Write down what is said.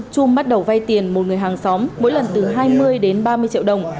trung bắt đầu vay tiền một người hàng xóm mỗi lần từ hai mươi đến ba mươi triệu đồng